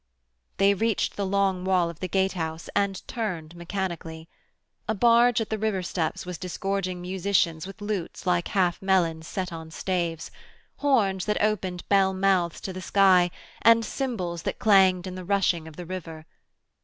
They reached the long wall of the gatehouse and turned mechanically. A barge at the river steps was disgorging musicians with lutes like half melons set on staves, horns that opened bell mouths to the sky, and cymbals that clanged in the rushing of the river.